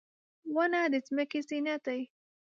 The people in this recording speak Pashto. • ونه د ځمکې زینت دی.